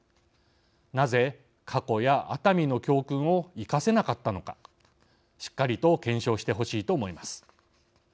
なぜ過去や熱海の教訓を生かせなかったのかしっかりと検証してほしいと思います。